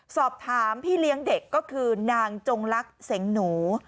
สอบถามพี่เลี้ยงเด็กก็คือนางจงลักษณ์เสงหนู